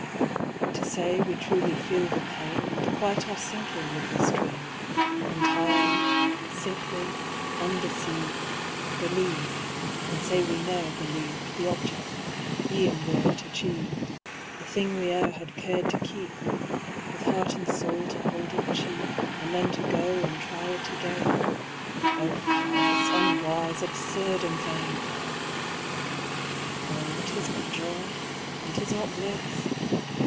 To say we truly feel the pain. And quite are sinking with the strain ;^ Entirely, simply, undeceived. Believe, and say we ne'er believed The object, e'en were it achieved, A thing we e'er had cared to keep ; With heart and soul to hold it cheap. And then to go and try it again ; O ┬Żdse, unwise, absurd, and vain ! O, 'tb not joy, and 'tis not bliss.